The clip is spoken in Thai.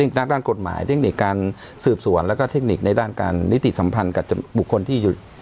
นักด้านกฎหมายเทคนิคการสืบสวนแล้วก็เทคนิคในด้านการนิติสัมพันธ์กับบุคคลที่อยู่